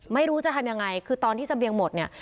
ไม่รู้จะทำยังไงคือตอนที่เสบียงหมดเนี่ย